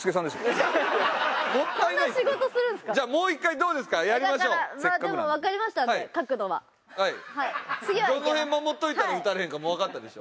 どの辺守っといたら打たれへんかもわかったでしょ。